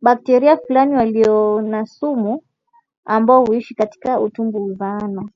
Bakteria fulani walio na sumu ambao huishi katika utumbo huzaana